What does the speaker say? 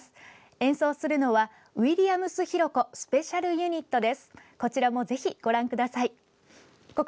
演奏するのはウィリアムス浩子スペシャルユニットです。